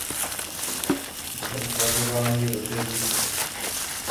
Jeho uplatňování je dobře vžité.